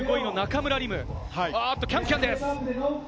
夢、キャンキャンです。